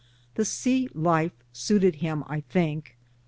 The sea life suited him, I think.